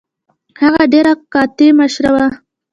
هغه ډیره قاطع مشره وه.